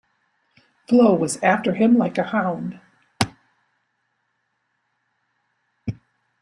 Flo was after him like a hound.